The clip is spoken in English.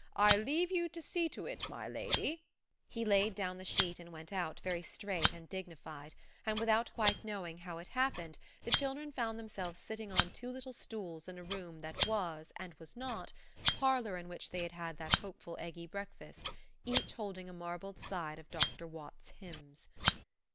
I leave you to see to it, my lady." "'HOITY TOITY,' SAID THE OLD LADY VERY SEVERELY, 'WE FORGET OUR MANNERS, I THINK.'" He laid down the sheet and went out, very straight and dignified, and without quite knowing how it happened the children found themselves sitting on two little stools in a room that was, and was not, the parlour in which they had had that hopeful eggy breakfast, each holding a marbled side of Dr. Watts's Hymns.